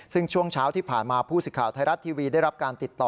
ซึ่งช่วงเช้าที่ผ่านมาผู้สิทธิ์ไทยรัฐทีวีได้รับการติดต่อ